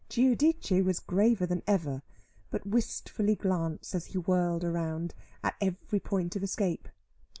Giudice was graver than ever, but wistfully glanced as he whirled round, at every point of escape.